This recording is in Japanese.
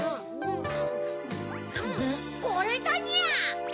これだにゃ！